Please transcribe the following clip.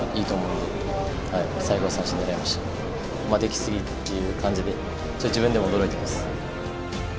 でき過ぎっていう感じで自分でも驚いてます。